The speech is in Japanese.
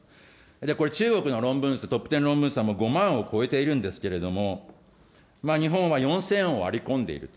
これ中国の論文数、Ｔｏｐ１０論文数は、５万を超えているんですけれども、日本は４０００を割り込んでいる。